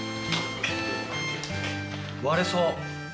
割れそう。